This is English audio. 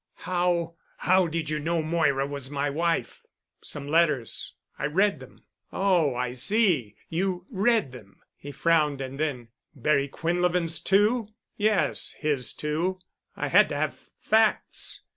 "How—how did you know Moira was my wife?" "Some letters. I read them." "Oh, I see. You read them," he frowned and then, "Barry Quinlevin's too?" "Yes—his too. I had to have facts.